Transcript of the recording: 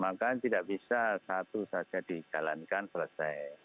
maka tidak bisa satu saja dijalankan selesai